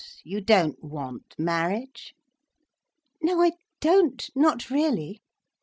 You don't want marriage?" "No—I don't—not really.